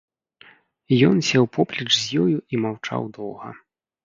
Ён сеў поплеч з ёю і маўчаў доўга.